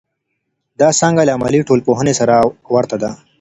دا څانګه له عملي ټولنپوهنې سره ورته ده.